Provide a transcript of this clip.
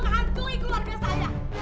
menghancungi keluarga saya